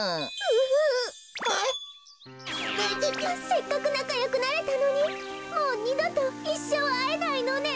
せっかくなかよくなれたのにもうにどといっしょうあえないのね。